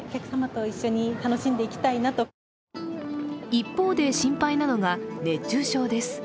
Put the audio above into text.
一方で、心配なのが熱中症です。